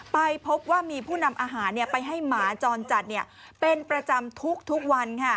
ไปพบว่ามีผู้นำอาหารไปให้หมาจรจัดเป็นประจำทุกวัน